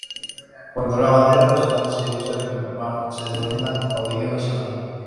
Cuando la bandera nacional se usa en el mar se denomina pabellón nacional.